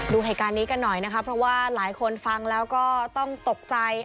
ดูเหตุการณ์นี้กันหน่อยนะคะเพราะว่าหลายคนฟังแล้วก็ต้องตกใจ